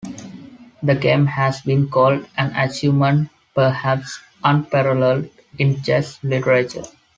The game has been called an achievement "perhaps unparalleled in chess literature".